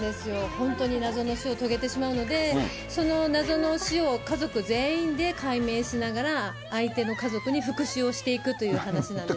本当に謎の死を遂げてしまうので、その謎の死を、家族全員で解明しながら、相手の家族に復讐をしていくという話なんですよ。